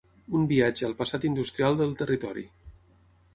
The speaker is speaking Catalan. Un viatge al passat industrial del territori.